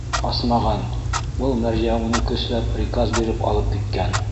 Ҡасмаған, был мәрйә уны көсләп, приказ биреп алып киткән.